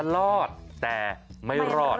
รอดแต่ไม่รอด